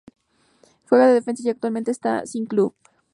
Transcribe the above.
Juega de defensa y actualmente está sin club.